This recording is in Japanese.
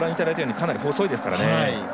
かなり細いですからね。